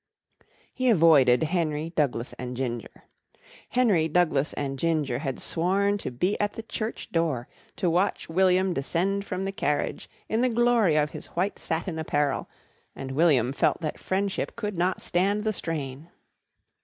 He avoided Henry, Douglas and Ginger. Henry, Douglas and Ginger had sworn to be at the church door to watch William descend from the carriage in the glory of his white satin apparel, and William felt that friendship could not stand the strain.